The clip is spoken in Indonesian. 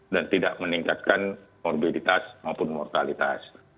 dan tidak meningkatkan morbiditas maupun mortalitas